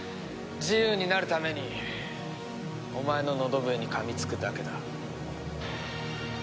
自由になるためにお前の喉笛に噛みつくだけだ。